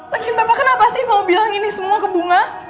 lagi bapak kenapa sih mau bilang ini semua ke bunga